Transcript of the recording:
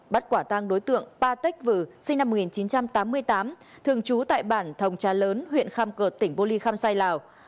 bắt quả tàng đối tượng ba tích vừa sinh năm một nghìn chín trăm tám mươi tám thường trú tại bản thồng trà lớn huyện kham cợt tỉnh bô ly kham sai lào